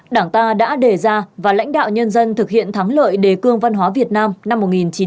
đảng ta đã đề ra và lãnh đạo nhân dân thực hiện thắng lợi đề cương văn hóa việt nam năm một nghìn chín trăm bảy mươi năm